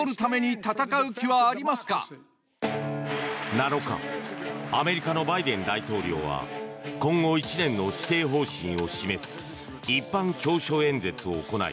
７日アメリカのバイデン大統領は今後１年の施政方針を示す一般教書演説を行い